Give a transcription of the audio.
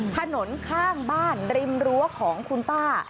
ข้างบ้านริมรั้วของคุณป้า